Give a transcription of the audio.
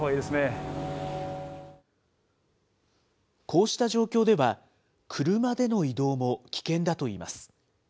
こうした状況では、車での移動も危険だといいます。